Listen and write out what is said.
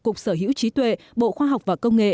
cục sở hữu trí tuệ bộ khoa học và công nghệ